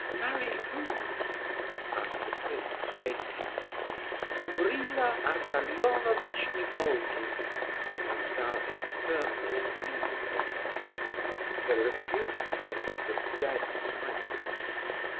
"Marry whom?" asked the prince, faintly. "Gavrila Ardalionovitch Ivolgin," said Nastasia, firmly and evenly. There were a few seconds of dead silence.